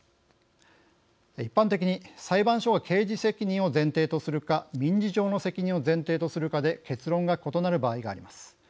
一般的に裁判所が刑事責任を前提とするか民事上の責任を前提とするかで結論が異なる場合があります。